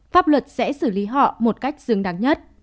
pháp luật sẽ xử lý họ một cách xứng đáng nhất